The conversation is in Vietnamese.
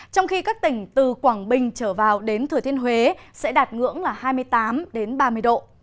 trong khi các tỉnh từ quảng bình trở vào đến thừa thiên huế sẽ đạt ngưỡng là hai mươi tám ba mươi độ